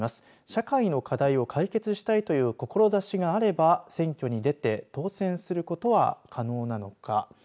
社会の課題を解決したいという志があれば選挙に出て当選することは可能なのか。